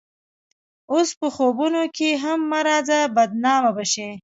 اوس په خوبونو کښې هم مه راځه بدنامه به شې